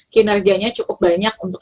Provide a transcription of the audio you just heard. kinerjanya cukup banyak untuk